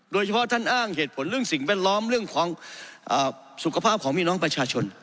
ท่านอ้างเหตุผลเรื่องสิ่งแวดล้อมเรื่องของสุขภาพของพี่น้องประชาชน